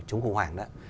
chống khủng hoảng đó